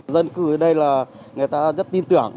dân cư ở đây là người ta rất tin tưởng